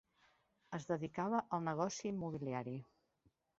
Es dedicava al negoci immobiliari.